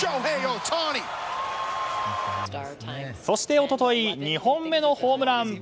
そして一昨日２本目のホームラン。